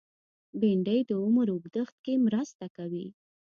بېنډۍ د عمر اوږدښت کې مرسته کوي